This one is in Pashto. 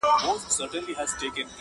یو نغمه ګره نقاسي کوومه ښه کوومه,